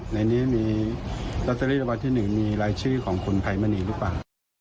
ในนี้มีลอตเตอรี่รางวัลที่๑มีรายชื่อของคุณภัยมณีหรือเปล่า